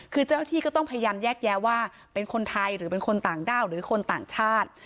คือเจ้าหน้าที่ก็ต้องพยายามแยกแยะว่าเป็นคนไทยหรือเป็นคนต่างด้าวหรือคนต่างชาติ